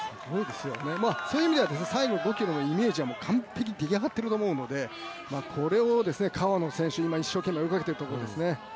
そういう意味では最後５ｋｍのイメージは完璧に出来上がっていると思うのでこれは川野選手、今一生懸命動いているところですね。